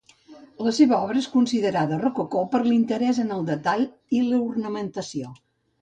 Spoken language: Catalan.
La seva obra és considerada rococó per l'interès en el detall i l'ornamentació.